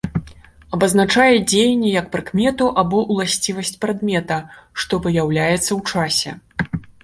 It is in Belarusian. Абазначае дзеянне як прыкмету або ўласцівасць прадмета, што выяўляюцца ў часе.